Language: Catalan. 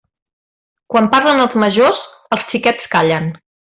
Quan parlen els majors, els xiquets callen.